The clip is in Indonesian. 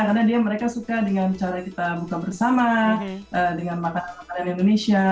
karena mereka suka dengan cara kita buka bersama dengan makanan makanan indonesia